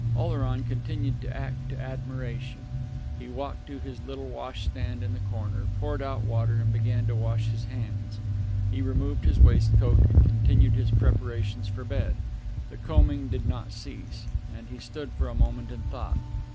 Oleron continued to act to admiration. He walked to his little washstand in the corner, poured out water, and began to wash his hands. He removed his waistcoat, and continued his preparations for bed. The combing did not cease, and he stood for a moment in thought.